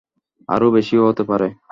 আরো বেশীও হতে পারে।